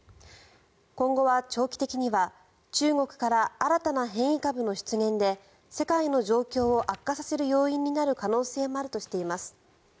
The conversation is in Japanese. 今後は長期的には中国から新たな変異株の出現で世界の状況を悪化させる要因になる可能性もあるとしています。